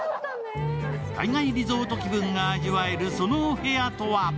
海外リゾート気分を味わえる、そのお部屋とは？